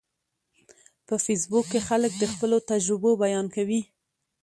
په فېسبوک کې خلک د خپلو تجربو بیان کوي